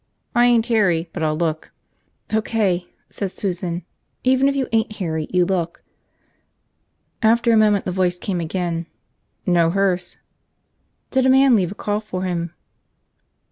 I ain't Harry, but I'll look." "O.K.," said Susan. "Even if you ain't Harry, you look." After a moment the voice came again. "No hearse." "Did a man leave a call for him?"